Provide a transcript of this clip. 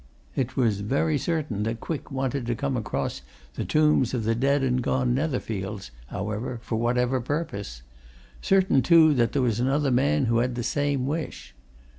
It was very certain that Quick wanted to come across the tombs of the dead and gone Netherfields, however, for whatever purpose certain, too, that there was another man who had the same wish.